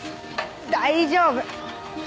大丈夫。